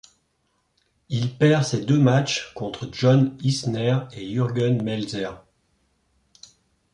Il perd ses deux matchs contre John Isner et Jürgen Melzer.